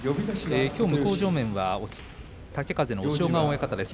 きょう向正面は豪風の押尾川親方です。